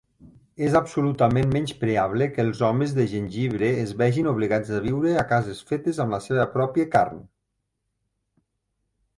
És absolutament menyspreable que els homes de gingebre es vegin obligats a viure a cases fetes amb la seva pròpia carn.